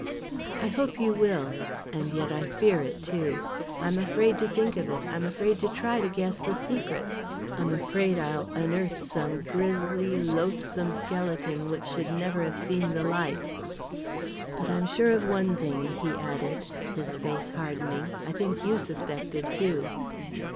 "I hope you will and yet I fear it, too. I'm afraid to think of it I'm afraid to try to guess the secret I'm afraid I'll unearth some grisly, loathsome skeleton, which should never have seen the light! But I'm sure of one thing," he added, his face hardening. "I think you suspected, too."